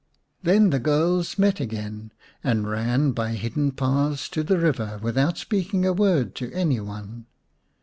Then the girls met again and ran by hidden paths to the river without speaking a word to any one.